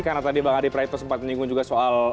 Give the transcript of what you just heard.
karena tadi bang adi praito sempat menyinggung juga soal